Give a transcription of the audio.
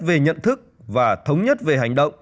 về nhận thức và thống nhất về hành động